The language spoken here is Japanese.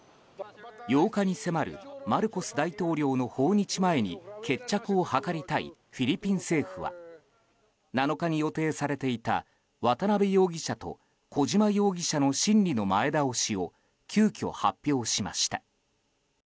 ８日に迫るマルコス大統領の訪日前に決着を図りたいフィリピン政府は７日に予定されていた渡邉容疑者と小島容疑者の審理の前倒しを急きょ発表しました。